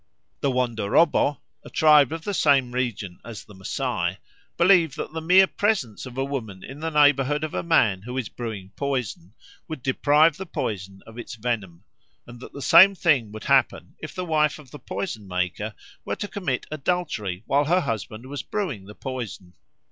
The Wandorobbo, a tribe of the same region as the Masai, believe that the mere presence of a woman in the neighbourhood of a man who is brewing poison would deprive the poison of its venom, and that the same thing would happen if the wife of the poison maker were to commit adultery while her husband was brewing the poison.